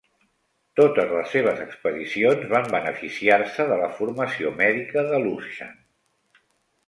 Totes les seves expedicions van beneficiar-se de la formació mèdica de Luschan.